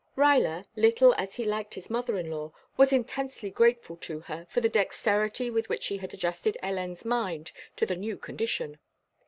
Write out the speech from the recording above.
Ruyler, little as he liked his mother in law, was intensely grateful to her for the dexterity with which she had adjusted Hélène's mind to the new condition.